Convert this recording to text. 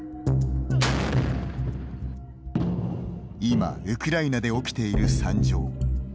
今ウクライナで起きている惨状。